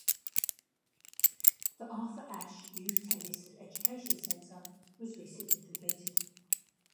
The Arthur Ashe Youth Tennis and Education Center, was recently completed.